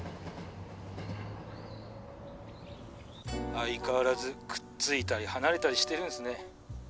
相変わらずくっついたり離れたりしてるんすね。